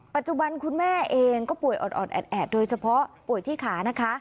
ปัจจุบันคุณแม่เองก็ป่วยอ่อนแอดโดยเฉพาะป่วยที่ขานะคะ